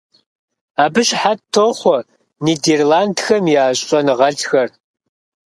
Абы щыхьэт тохъуэ Нидерландхэм я щӀэныгъэлӀхэр.